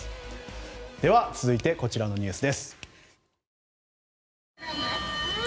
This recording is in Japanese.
では、続いてこちらのニュースです。